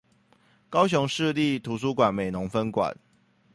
高雄市立圖書館美濃分館